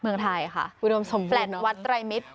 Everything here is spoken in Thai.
เมืองไทยค่ะแฟลตวัดตรายมิตร